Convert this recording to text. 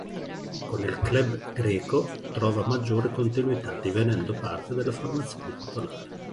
Con il club greco trova maggiore continuità, divenendo parte della formazione titolare.